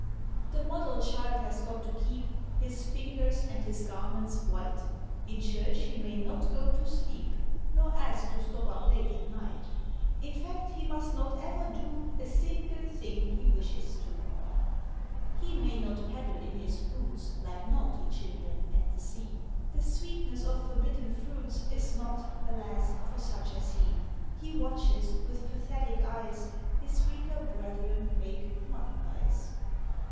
The Model Child has got to keep His fingers and his garments white; In church he may not go to sleep, Nor ask to stop up late at night. In fact he must not ever do A single thing he wishes to. He may not paddle in his boots, Like naughty children, at the Sea; The sweetness of Forbidden Fruits Is not, alas! for such as he. He watches, with pathetic eyes, His weaker brethren make mud pies.